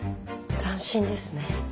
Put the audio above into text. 斬新ですね。